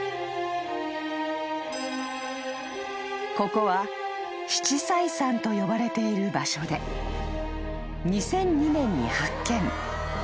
［ここは七彩山と呼ばれている場所で２００２年に発見